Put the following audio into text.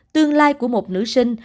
tương lai của một nữ sinh